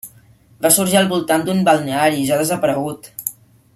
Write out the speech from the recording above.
Va sorgir al voltant d'un balneari, ja desaparegut.